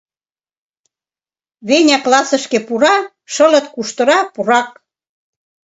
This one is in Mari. Веня классышке пура Шылыт куштыра, пурак».